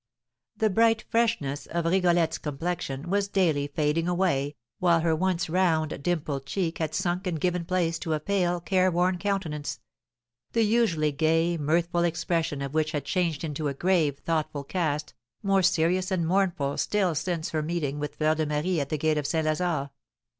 The bright freshness of Rigolette's complexion was daily fading away, while her once round, dimpled cheek had sunk and given place to a pale, careworn countenance, the usually gay, mirthful expression of which had changed into a grave, thoughtful cast, more serious and mournful still since her meeting with Fleur de Marie at the gate of St. Lazare.